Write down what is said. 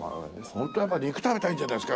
本当はやっぱ肉食べたいんじゃないですか？